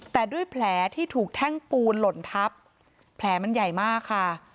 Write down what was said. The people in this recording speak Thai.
แต่ด้วยแผลที่ถูกแท่งปูนหล่นทับแผลมันใหญ่มากค่ะ